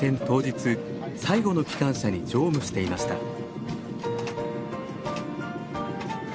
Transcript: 当日最後の機関車に乗務していました。